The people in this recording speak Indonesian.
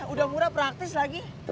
udah murah praktis lagi